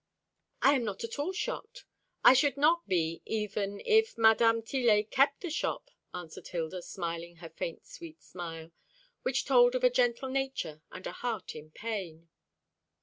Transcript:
"I am not at all shocked. I should not be, even, if Mdme. Tillet kept the shop," answered Hilda, smiling her faint sweet smile, which told of a gentle nature and a heart in pain.